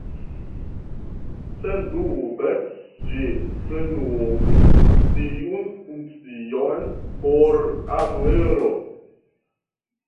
Sendube ĝi plenumis tiun funkcion por Adlero.